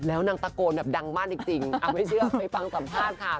แล้วนางตะโกนแบบดังมากจริงไม่เชื่อไปฟังสัมภาษณ์ค่ะ